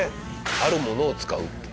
あるものを使うっていう。